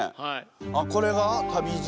あっこれが旅路？